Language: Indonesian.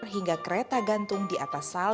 hingga kereta gantung di atas sal